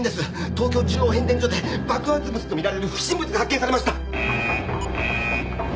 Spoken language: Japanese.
東京中央変電所で爆発物とみられる不審物が発見されました！